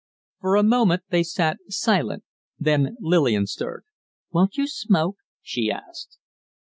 For a moment they sat silent, then Lillian stirred. "Won't you smoke?" she asked.